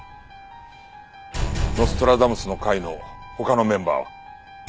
ノストラダムスの会の他のメンバーは？